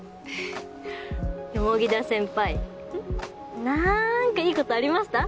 田先輩なんかいいことありました？